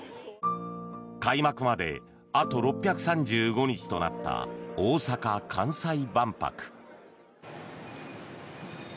開幕まであと６３５日となった大阪・関西万博。